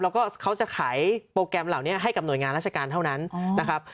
แล้วก็เขาจะขายโปรแกรมเหล่านี้ให้กับหน่วยงานราชการเท่านั้นนะครับ